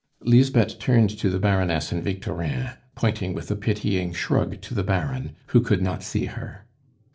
Lisbeth turned to the Baroness and Victorin, pointing with a pitying shrug to the Baron, who could not see her.